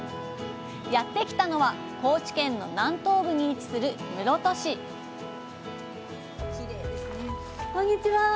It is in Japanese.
やって来たのは高知県の南東部に位置する室戸市こんにちは！